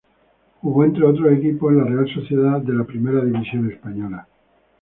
Jugó entre otros equipos en la Real Sociedad en la Primera División Española.